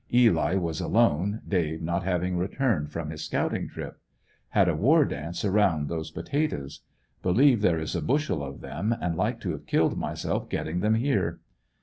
Eli was alone, Dave not having returned from his scouting trip. Had a war dance around those potatoes. Believe there is a bushel of them, and like to have killed myself getting them here.